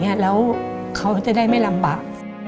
เขาจะได้ไม่ลำบาก